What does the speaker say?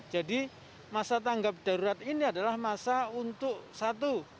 jadi masa tanggap darurat ini adalah masa untuk satu